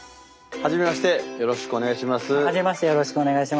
はじめましてよろしくお願いします。